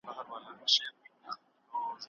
هغه د ټولنيز پيوستون چوکاټ جوړ کړ.